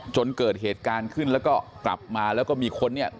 จนเกิดเหตุการณ์ขึ้นแล้วก็กลับมาแล้วก็มีคนเนี่ย